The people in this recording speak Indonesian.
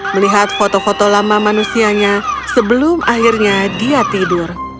melihat foto foto lama manusianya sebelum akhirnya dia tidur